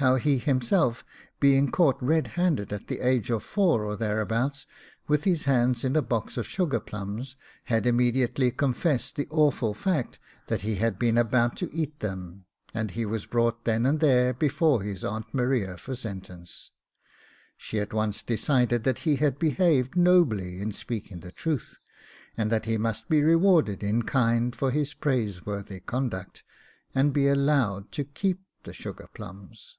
How he himself, being caught red handed, at the age of four or thereabouts, with his hands in a box of sugar plums, had immediately confessed the awful fact that he had been about to eat them, and he was brought then and there before his Aunt Maria for sentence. She at once decided that he had behaved Nobly in speaking the truth, and that he must be rewarded in kind for his praiseworthy conduct, and be allowed to keep the sugar plums!